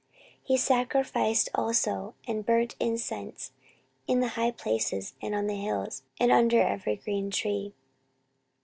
14:028:004 He sacrificed also and burnt incense in the high places, and on the hills, and under every green tree.